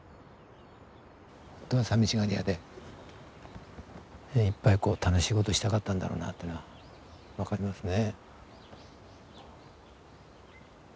ほんとはさみしがりやでいっぱい楽しい事したかったんだろうなっていうのは分かりますね。